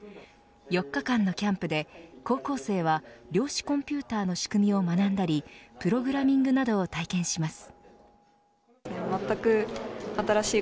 ４日間のキャンプで高校生は量子コンピューターの仕組みを学んだりプログラミングなどを体験します。